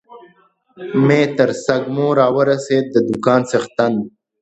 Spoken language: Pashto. مې تر سږمو را ورسېد، د دوکان څښتن.